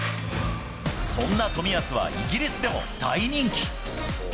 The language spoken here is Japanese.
そんな冨安はイギリスでも大人気。